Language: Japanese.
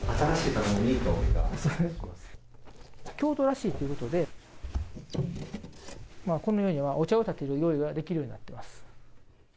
京都らしいということで、このようにお茶をたてる用意ができるようになっています。